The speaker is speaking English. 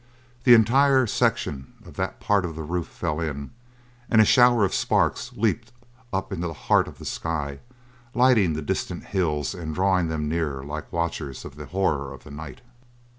The entire section of that part of the roof fell in, and a shower of sparks leaped up into the heart of the sky, lighting the distant hills and drawing them near like watchers of the horror of the night.